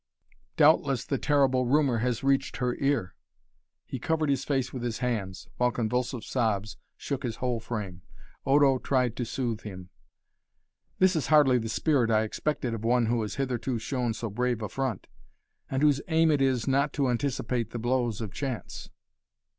"Doubtless the terrible rumor has reached her ear." He covered his face with his hands, while convulsive sobs shook his whole frame. Odo tried to soothe him. "This is hardly the spirit I expected of one who has hitherto shown so brave a front, and whose aim it is not to anticipate the blows of chance."